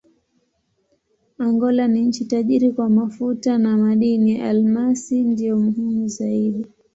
Angola ni nchi tajiri kwa mafuta na madini: almasi ndiyo muhimu zaidi.